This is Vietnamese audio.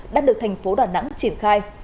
đã được thành phố đà nẵng triển khai